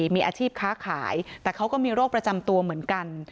มีอาชีพค้าขายแต่เขาก็มีโรคประจำตัวเหมือนกัน